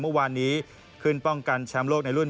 เมื่อวานนี้ขึ้นป้องกันแชมป์โลกในรุ่น